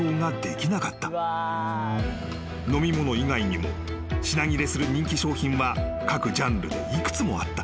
［飲み物以外にも品切れする人気商品は各ジャンルで幾つもあった］